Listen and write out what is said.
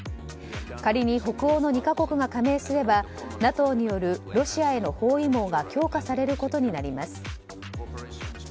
仮に、北欧の２か国が加盟すれば、ＮＡＴＯによるロシアへの包囲網が強化されることになります。